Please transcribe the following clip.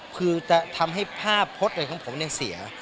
คือจะทำให้ภาพพจน์ของผมเนี่ยเสีย